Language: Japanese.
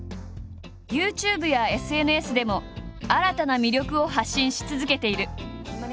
ＹｏｕＴｕｂｅやＳＮＳでも新たな魅力を発信し続けている。